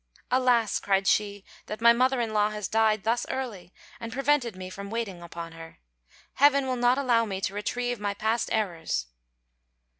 "Alas!" cried she, "that my mother in law has died thus early, and prevented me from waiting upon her. Heaven will not allow me to retrieve my past errors."